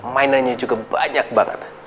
mainannya juga banyak banget